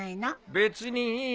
別にいいの。